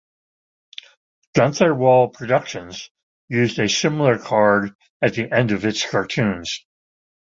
Gunther-Wahl Productions used a similar card at the end of its cartoons.